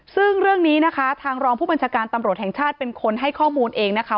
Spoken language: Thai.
ซึ่งเรื่องนี้นะคะทางรองผู้บัญชาการตำรวจแห่งชาติเป็นคนให้ข้อมูลเองนะคะ